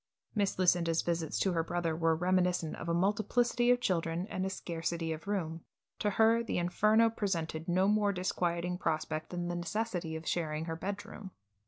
Miss Lucinda's visits to her brother were reminiscent of a multiplicity of children and a scarcity of room. To her the Inferno presented no more disquieting prospect than the necessity of sharing her bedroom.